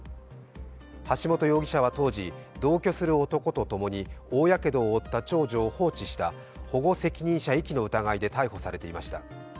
橋本容疑者は当時、同居する男とともに大やけどを負った長女を放置した保護責任者遺棄の疑いで逮捕されていました。